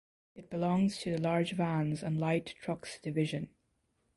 It belongs to the large vans and light trucks division.